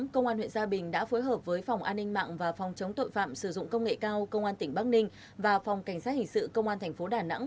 công an huyện gia bình đã phối hợp với phòng an ninh mạng và phòng chống tội phạm sử dụng công nghệ cao công an tỉnh bắc ninh và phòng cảnh sát hình sự công an tp đà nẵng